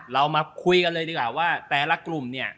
เรามาคุยกันเลยดีกว่าว่าแต่ละกลุ่มเนี่ย